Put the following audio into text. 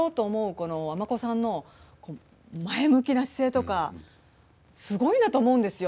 この尼子さんの前向きな姿勢とかすごいなと思うんですよ。